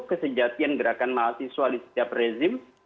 kesejatian gerakan mahasiswa di setiap rezim